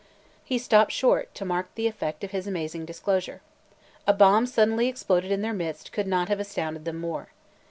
He stopped short to mark the effect of his amazing disclosure. A bomb suddenly exploded in their midst could not have astounded them more.